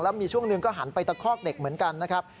มีช่วงหนึ่งก็หันไปตะคอกเด็กเหมือนกันนะครับ